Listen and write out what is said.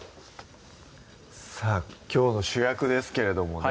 さぁきょうの主役ですけれどもね